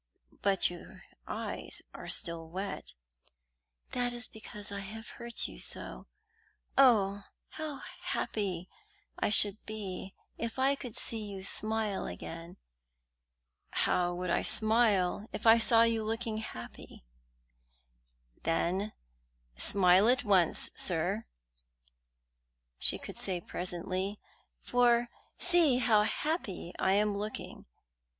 "But your eyes are still wet." "That is because I have hurt you so. Oh, how happy I should be if I could see you smile again!" "How I would smile if I saw you looking happy!" "Then smile at once, sir," she could say presently, "for see how happy I am looking."